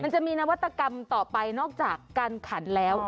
มันจะมีนวัตกรรมต่อไปนอกจากการขันแล้ว